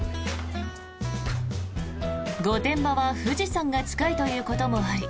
御殿場は富士山が近いということもあり